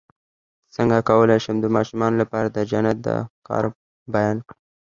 څنګه کولی شم د ماشومانو لپاره د جنت د قرب بیان کړم